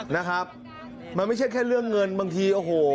นะครับมันไม่ใช่แค่เรื่องเงินบางทีโอ้โห